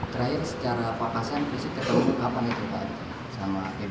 terakhir secara pakasen fisik ketemu kapan itu pak adhika sama gedi